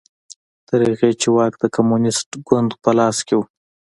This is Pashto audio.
تر هغې چې واک د کمونېست ګوند په لاس کې و